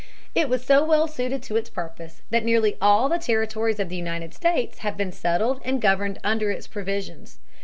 It was so well suited to its purpose that nearly all the territories of the United States have been settled and governed under its provisions.